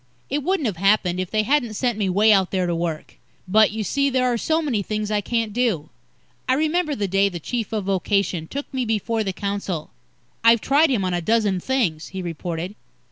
It wouldn't have happened, if they hadn't sent me way out there to work. But, you see, there are so many things I can't do. I remember the day the Chief of Vocation took me before the council. "I've tried him on a dozen things," he reported.